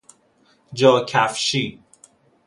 جا کفشی